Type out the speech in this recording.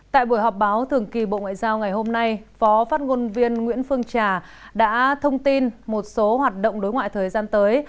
tại buổi họp báo thường kỳ bộ ngoại giao ngày hôm nay phó phát ngôn viên nguyễn phương trà đã thông tin một số hoạt động đối ngoại thời gian tới